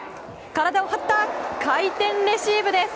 体を張った回転レシーブです！